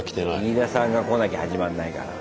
イイダさんが来なきゃ始まんないから。